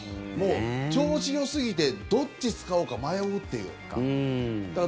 調子よすぎてどっち使おうか迷うっていうか。